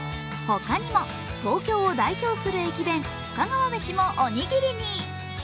他にも東京を代表する駅弁深川めしも、おにぎりに。